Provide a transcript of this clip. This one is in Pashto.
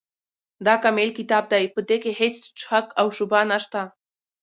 دا کامل کتاب دی، په دي کي هيڅ شک او شبهه نشته